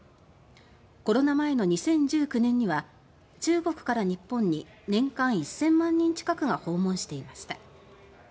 コロナ前の２０１９年には中国から日本に年間１０００万人近くが訪問していました。